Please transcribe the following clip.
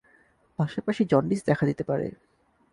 পাশাপাশি জন্ডিস দেখা দিতে পারে।